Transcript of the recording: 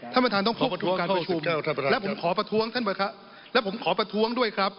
ท่านประธานต้องพบกับการประชุมและผมขอประท้วงด้วยครับ